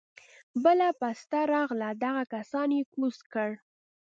بله پسته راغله دغه کسان يې کوز کړه.